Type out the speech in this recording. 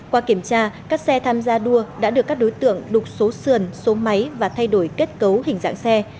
qua kiểm tra các xe tham gia đua đã được các đối tượng đục số sườn số máy và thay đổi kết cấu hình dạng xe